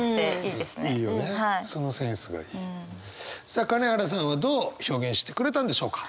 さあ金原さんはどう表現してくれたんでしょうか？